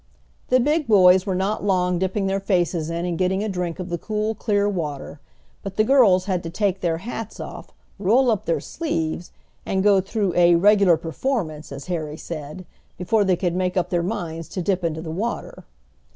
The big boys were not long dipping their faces in and getting a drink of the cool, clear water, but the girls had to take their hats off, roll up their sleeves, and go through a "regular performance," as Harry said, before they could make up their minds to dip into the water.